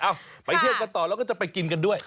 ไปเที่ยวกันต่อแล้วก็จะไปกินกันด้วย